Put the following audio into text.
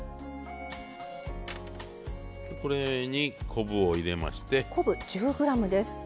これに昆布を入れまして。